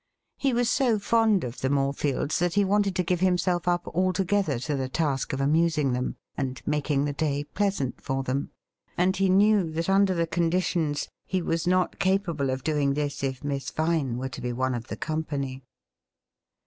He was so fond of the Morefields that he wanted to give himself up altogethier to the task of amusing them, and making the day pleasant for them, and he knew that under the conditions he was not capable of doing this if Miss Vine were to be one of the company.